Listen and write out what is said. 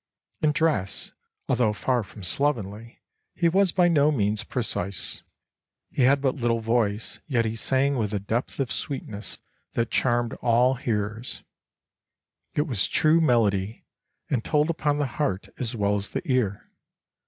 In dress, although far from slovenly, he was by no means precise. He had but little voice, yet he sang with a depth of sweetness that charmed all hearers; it was true melody, and told upon the heart as well as the ear.